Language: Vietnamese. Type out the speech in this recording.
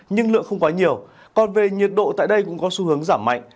nhưng lượng không quá nhiều còn về nhiệt độ tại đây cũng có xu hướng giảm mạnh